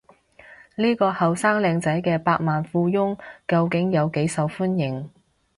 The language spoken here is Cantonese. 呢個後生靚仔嘅百萬富翁究竟有幾受歡迎？